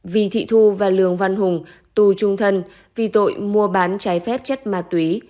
vì thị thu và lường văn hùng tù trung thân vì tội mua bàn chai phép chất ma túy